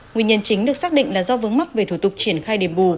nguyên nhân chính được xác định là do vướng mắc về thủ tục triển khai điểm bù